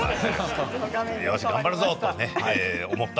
よし頑張るぞと思った。